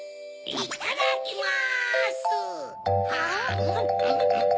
・いただきます！